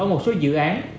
ở một số dự án